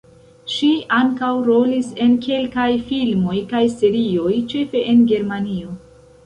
Ŝi ankaŭ rolis en kelkaj filmoj kaj serioj, ĉefe en Germanio.